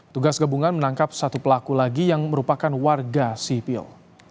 tugas gabungan menangkap satu pelaku lagi yang merupakan warga sipil